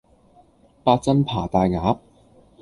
八珍扒大鴨